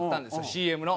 ＣＭの。